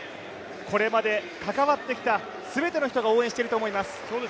これまで関わってきた全ての人が応援していると思います。